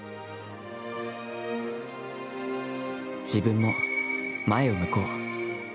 自分も、前を向こう。